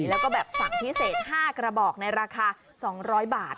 แล้วก็แบบสั่งพิเศษ๕กระบอกในราคา๒๐๐บาท